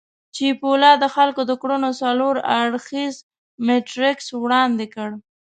چیپولا د خلکو د کړنو څلور اړخييز میټریکس وړاندې کړ.